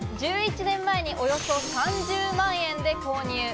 １１年前におよそ３０万円で購入。